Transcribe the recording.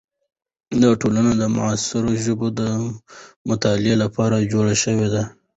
دا ټولنه د معاصرو ژبو د مطالعې لپاره جوړه شوې ده.